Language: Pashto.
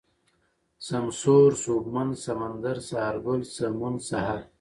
سمسور ، سوبمن ، سمندر ، سهارگل ، سمون ، سحر